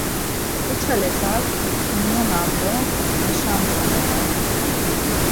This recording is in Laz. Uça let̆as miyonan do meşamdvanoren.